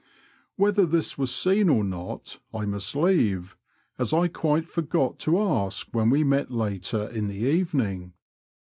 Whether this was seen or not, I must leave, as I quite forgot to ask when we met later in the evening.